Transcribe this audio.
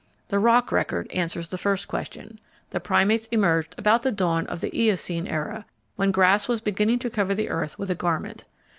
The rock record answers the first question: the Primates emerged about the dawn of the Eocene era, when grass was beginning to cover the earth with a garment.